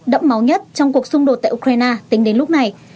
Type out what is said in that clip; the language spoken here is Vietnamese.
đẫm máu nhất trong cuộc xung đột tại ukraine tính đến lúc này